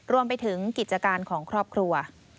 รวมไปถึงกิจการของครอบครัว